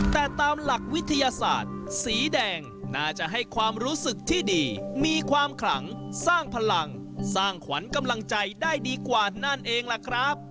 แต่ตามหลักวิทยาศาสตร์สีแดงน่าจะให้ความรู้สึกที่ดีมีความขลังสร้างพลังสร้างขวัญกำลังใจได้ดีกว่านั่นเองล่ะครับ